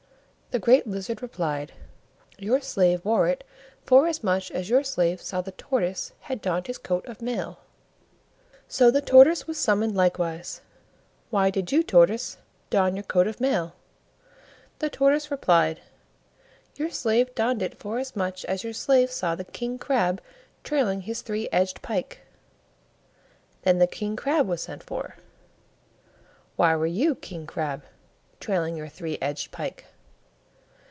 The Great Lizard replied, "Your slave wore it forasmuch as your slave saw that the Tortoise had donned his coat of mail." So the Tortoise was summoned likewise. "Why did you, Tortoise, don your coat of mail?" The Tortoise replied, "Your slave donned it forasmuch as your slave saw the King crab trailing his three edged pike." Then the King crab was sent for. "Why were you, King crab, trailing your three edged pike?"